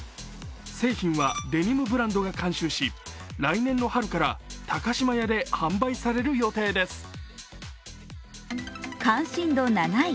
製品はデニムブランドが監修し、来年の春から高島屋で販売される予定です。